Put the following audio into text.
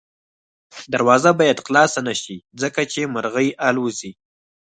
دروازه باید خلاصه نه شي ځکه چې مرغۍ الوځي.